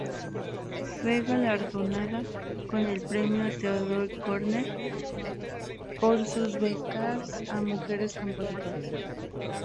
Fue galardonada con el premio Theodor Korner por sus becas a mujeres compositoras.